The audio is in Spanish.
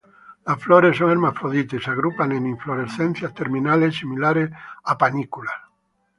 Las flores son hermafroditas y se agrupan en inflorescencias terminales similares a panículas.